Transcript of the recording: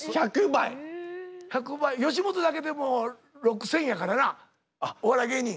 １００倍吉本だけでも６，０００やからなお笑い芸人。